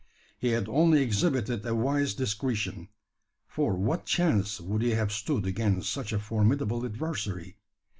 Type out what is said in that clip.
He had only exhibited a wise discretion: for what chance would he have stood against such a formidable adversary?